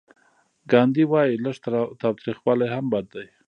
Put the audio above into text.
ګاندي وايي لږ تاوتریخوالی هم بد دی.